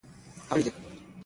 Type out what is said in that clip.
هغه کړېدی .